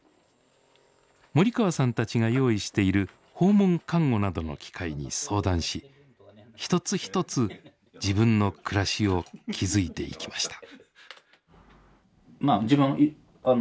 森川さんたちが用意している訪問看護などの機会に相談し一つ一つ自分の暮らしを築いていきました。